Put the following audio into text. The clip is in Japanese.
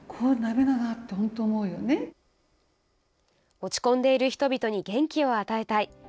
落ち込んでいる人々に元気を与えたい。